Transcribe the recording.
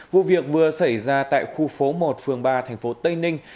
vụ việc vừa xảy ra tại khu phố một phường ba thành phố tây ninh